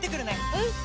うん！